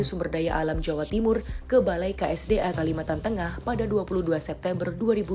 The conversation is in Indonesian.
sumber daya alam jawa timur ke balai ksda kalimantan tengah pada dua puluh dua september dua ribu dua puluh